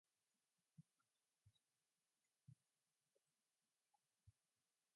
He lives near Brussels.